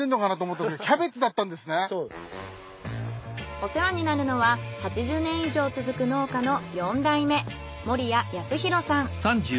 お世話になるのは８０年以上続く農家の４代目森谷康広さん。